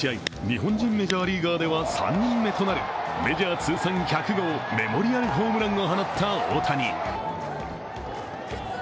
日本人メジャーリーガーでは３人目となる、メジャー通算１００号メモリアルホームランを放った大谷。